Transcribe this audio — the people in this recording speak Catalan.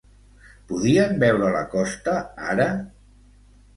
Podien veure la costa ara?